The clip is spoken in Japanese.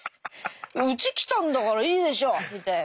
「うち来たんだからいいでしょ」みたいな。